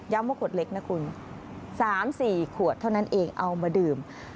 ว่าขวดเล็กนะคุณ๓๔ขวดเท่านั้นเองเอามาดื่ม